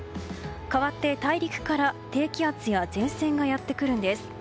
かわって、大陸から低気圧や前線がやってくるんです。